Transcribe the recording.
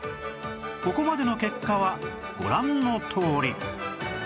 ここまでの結果はご覧のとおり